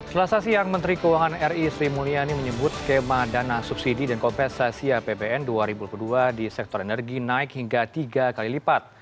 selasa siang menteri keuangan ri sri mulyani menyebut skema dana subsidi dan kompensasi apbn dua ribu dua puluh dua di sektor energi naik hingga tiga kali lipat